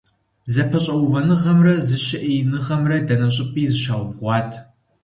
ЗэпэщӀэувэныгъэмрэ зэщыӀеиныгъэмрэ дэнэ щӀыпӀи зыщаубгъуат.